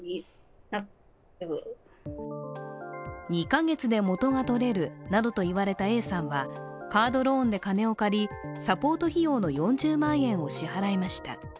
２カ月で元が取れるなどと言われたＡさんはカードローンで金を借りサポート費用の４０万円を支払いました。